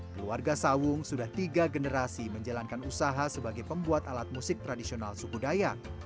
keluarga sawung sudah tiga generasi menjalankan usaha sebagai pembuat alat musik tradisional suku dayak